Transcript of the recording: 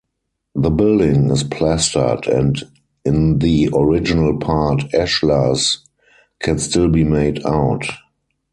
The building is plastered and in the original part ashlars can still be made out.